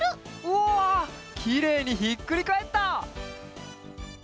わあきれいにひっくりかえった！